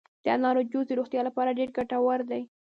د انارو جوس د روغتیا لپاره ډیر ګټور دي.